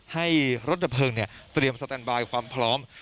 ให้รถดับเพลิงเตรียมสแตนบายความพร้อม